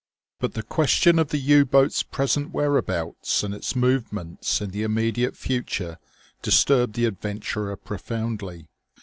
But the question of the U boat's present whereabouts and its movements in the immediate future disturbed the adventurer profoundly.